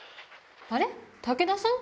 あれ⁉武田さん？